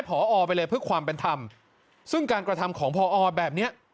ผออไปเลยเพื่อความเป็นทำซึ่งการกระทำของผออแบบนี้